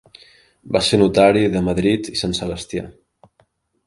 Va ser notari de Madrid i Sant Sebastià.